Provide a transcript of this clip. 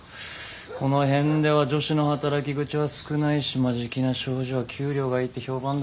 この辺では女子の働き口は少ないし眞境名商事は給料がいいって評判だのに。